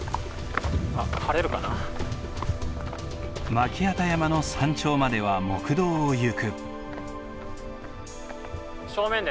巻機山の山頂までは木道を行く。